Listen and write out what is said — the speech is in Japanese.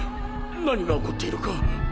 何が起こっているか。